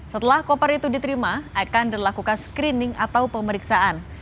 setelah koper itu diterima akan dilakukan screening atau pemeriksaan